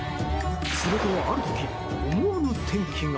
すると、ある時思わぬ転機が。